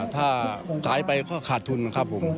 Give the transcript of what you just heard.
ถ้าขายไปก็ขาดทุนนะครับผม